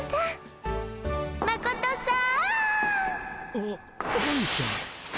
あっ愛ちゃん。